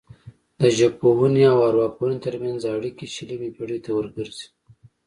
د ژبپوهنې او ارواپوهنې ترمنځ اړیکې شلمې پیړۍ ته ورګرځي